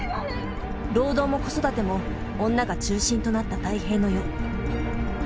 労働も子育ても女が中心となった太平の世。